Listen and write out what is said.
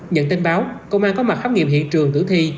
nhận tin báo công an có mặt khám nghiệm hiện trường tử thi